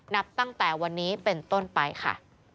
นับตั้งแต่วันนี้เป็นต้นไปค่ะ